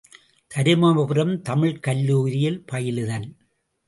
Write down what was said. ● தருமபுரம் தமிழ்க் கல்லூரியில் பயிலுதல்.